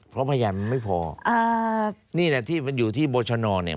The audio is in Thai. เพราะพยานมันไม่พออ่านี่แหละที่มันอยู่ที่บรชนเนี่ย